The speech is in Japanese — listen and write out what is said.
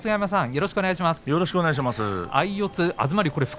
よろしくお願いします。